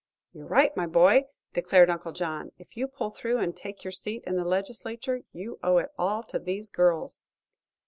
"You're right, my boy," declared Uncle John. "If you pull through and take your seat in the Legislature, you'll owe it all to these girls."